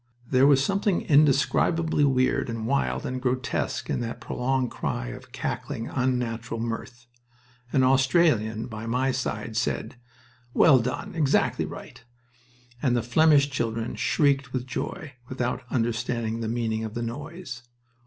There was something indescribably weird and wild and grotesque in that prolonged cry of cackling, unnatural mirth. An Australian by my side said: "Well done! Exactly right!" and the Flemish children shrieked with joy, without understanding the meaning of the noise.